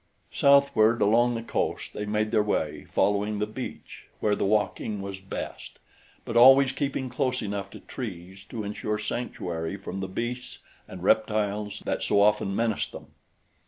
Southward along the coast they made their way following the beach, where the walking was best, but always keeping close enough to trees to insure sanctuary from the beasts and reptiles that so often menaced them.